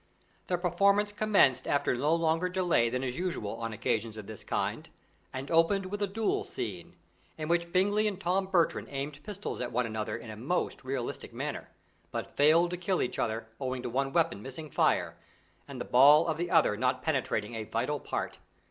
The performance commenced after no longer delay than is usual on occasions of this kind, and opened with a duel scene, in which Bingley and Tom Bertram aimed pistols at one another in a most realistic manner, but failed to kill each other, owing to one weapon missing fire, and the ball of the other not penetrating a vital part.